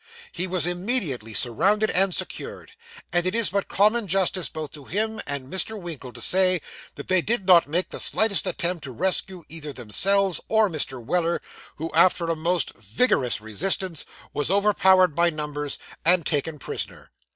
He was immediately surrounded and secured; and it is but common justice both to him and Mr. Winkle to say, that they did not make the slightest attempt to rescue either themselves or Mr. Weller; who, after a most vigorous resistance, was overpowered by numbers and taken prisoner.